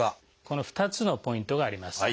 この２つのポイントがあります。